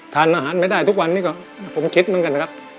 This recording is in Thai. ทานอาหารไม่ได้ทุกวันนี้ก็ผมคิดเหมือนกันนะครับ